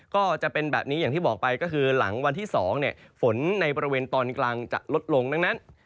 ก็จะเป็นแบบนี้อย่างที่บอกไปก็คือหลังวันที่๒ฝนในบริเวณตอนกลางจะลดลงดังนั้น